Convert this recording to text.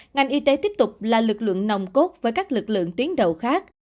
ngành y tế tiếp tục là lực lượng nồng cốt với các lực lượng tuyến đầu khác